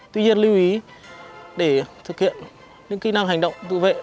tuy nhiên lưu ý để thực hiện những kỹ năng hành động tự vệ